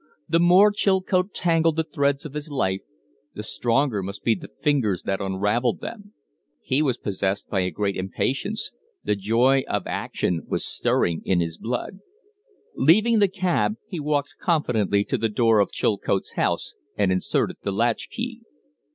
The more Chilcote tangled the threads of his life, the stronger must be the fingers that unravelled them. He was possessed by a great impatience; the joy of action was stirring in his blood. Leaving the cab, he walked confidently to the door of Chilcote's house and inserted the latch key.